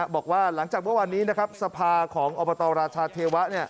บอกว่าหลังจากว่าวันนี้สภาของอบตราชาเทวะ